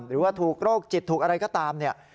หรือว่าถูกโรคจิตถูกอะไรก็ตามเนี่ย